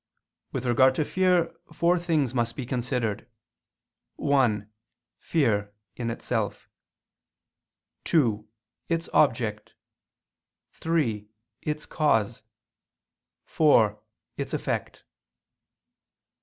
With regard to fear, four things must be considered: (1) Fear, in itself; (2) Its object; (3) Its cause; (4) Its effect.